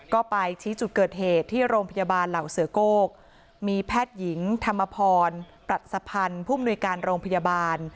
ก็ไปชี้จุดเกิดเหตุที่โรงพยาบาลเหล่าเสือโก้มีแพทย์หญิงธรรมพรปรัชพันธ์ผู้มนุยการโรงพยาบาล